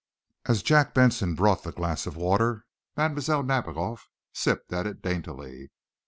As Jack Benson brought the glass of water Mlle. Nadiboff sipped at it daintily.